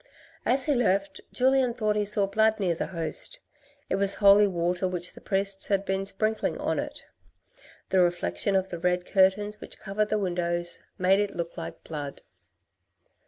As he left, Julien thought he saw blood near the Host, it was holy water which the priests had been sprinkling on it, the re 26 THE RED AND THE BLACK flection of the red curtains which covered the windows made it look like blood.